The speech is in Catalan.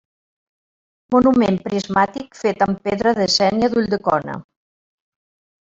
Monument prismàtic fet amb pedra de sénia d'Ulldecona.